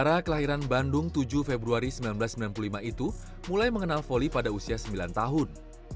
putra kelahiran bandung tujuh februari seribu sembilan ratus sembilan puluh lima itu mulai mengenal voli pada usia sembilan tahun